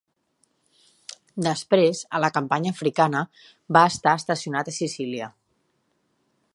Després, a la campanya africana, va estar estacionat a Sicília.